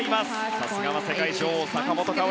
さすがの世界女王・坂本花織